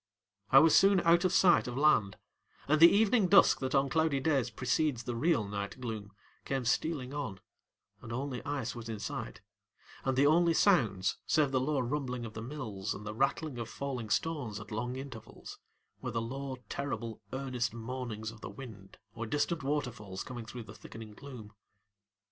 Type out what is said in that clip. I was soon out of sight of land, and the evening dusk that on cloudy days precedes the real night gloom came stealing on and only ice was in sight, and the only sounds, save the low rumbling of the mills and the rattle of falling stones at long intervals, were the low, terribly earnest moanings of the wind or distant waterfalls coming through the thickening gloom.